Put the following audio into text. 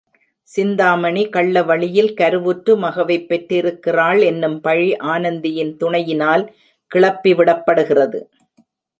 சிந்தாமணி கள்ள வழியில் கருவுற்று மகவைப் பெற்றிருக்கிறாள் என்னும் பழி ஆனந்தியின் துணையினால் கிளப்பிவிடப் படுகிறது.